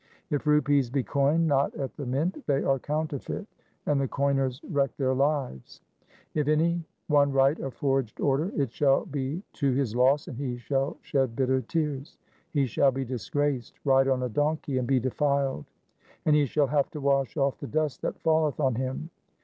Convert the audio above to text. If rupees be coined not at the mint, they are counterfeit, and the coiners wreck their lives. If any one write a forged order, it shall be to his loss, and he shall shed bitter tears. He shall be disgraced, ride on a donkey, and be denied ; and he shall have to wash off the dust that falleth on him.